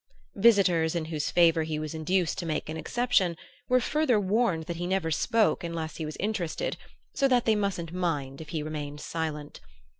Visitors in whose favor he was induced to make an exception were further warned that he never spoke unless he was interested so that they mustn't mind if he remained silent.